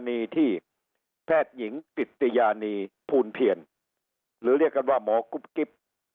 ก็คือกรณีที่แพทย์หญิงติดติญานีพูนเพียรหรือเรียกกันว่าหมอกุ๊บกิ๊บ